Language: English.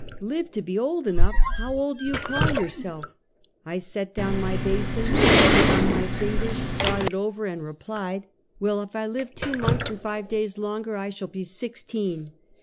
" Live to be old enough! How old do yon call your self?" I set down my basin, counted on my fingers, thought it over and replied: 256 Half a Cewtuet. " Well, if I live two montlis and five days longer, I shall be sixteen."